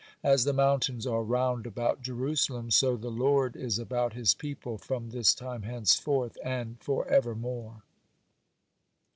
As the mountains are round about Jerusalem, so the Lord is about His people from this time henceforth and for evermore.